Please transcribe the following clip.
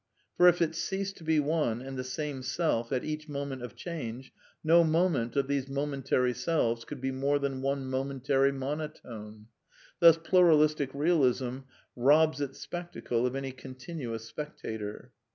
For if it ceased to be one and the same self at each moment of change, no mo ment of these momentary selves could be more than one momentary monotone. Thus Pluralistic Bealism robs its spectacle of any continuous spectator.